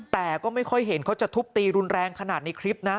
แต่ก็ไม่ค่อยเห็นเขาจะทุบตีรุนแรงขนาดในคลิปนะ